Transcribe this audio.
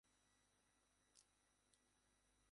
তার শিক্ষা ছিল সীমিত।